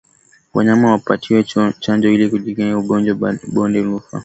Wanyama wapatiwe chanjo ili kujikinga na ugonjwa wa bonde la ufa